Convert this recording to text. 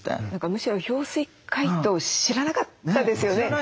むしろ氷水解凍を知らなかったですよね。